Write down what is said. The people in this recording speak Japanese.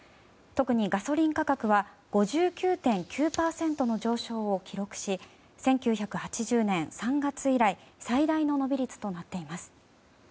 特にガソリン価格は５９．９％の上昇を記録し１９８０年３月以来最大の伸び率となっています。